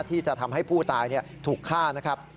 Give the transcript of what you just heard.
ที่จะทำให้ผู้ตายถูกฆ่านะครับ